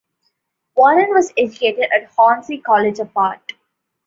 Warren was educated at Hornsey College of Art.